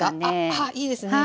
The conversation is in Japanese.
ああいいですね！